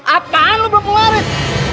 apaan lu belum pelaris